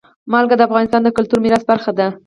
نمک د افغانستان د کلتوري میراث برخه ده.